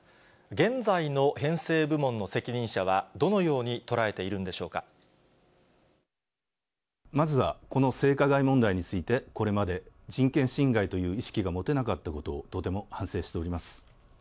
現在の編成部門の責任者は、どのように捉えているんでしょうまずはこの性加害問題について、これまで人権侵害という意識が持てなかったことをとても反省しております。